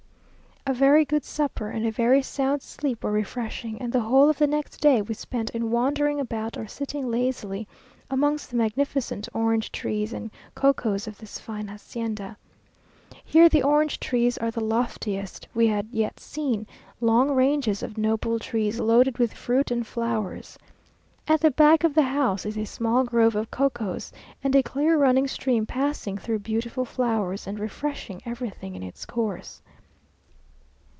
A very good supper and a very sound sleep were refreshing, and the whole of the next day we spent in wandering about or sitting lazily amongst the magnificent orange trees and cocoas of this fine hacienda. Here the orange trees are the loftiest we had yet seen; long ranges of noble trees, loaded with fruit and flowers. At the back of the house is a small grove of cocoas, and a clear running stream passing through beautiful flowers, and refreshing everything in its course.